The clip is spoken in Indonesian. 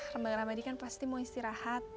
rum bang rahmadi kan pasti mau istirahat